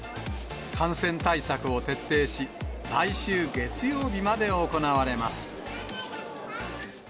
感染対策を徹底し、来週月曜日まで行われます。